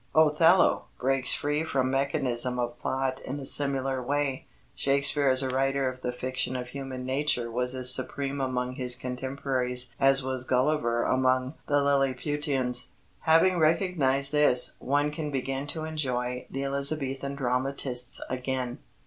Othello breaks free from mechanism of Plot in a similar way. Shakespeare as a writer of the fiction of human nature was as supreme among his contemporaries as was Gulliver among the Lilliputians. Having recognized this, one can begin to enjoy the Elizabethan dramatists again.